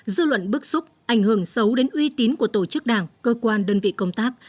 dư luận bức xúc ảnh hưởng xấu đến uy tín của tổ chức đảng cơ quan đơn vị công tác